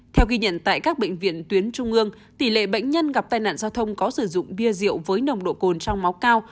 theo ghi nhận tại các bệnh viện tuyến trung ương tỷ lệ bệnh nhân gặp tai nạn giao thông có sử dụng bia rượu với nồng độ cồn trong máu cao